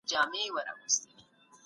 نظم ښه دئ.